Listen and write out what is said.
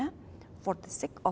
menurut prinsip itu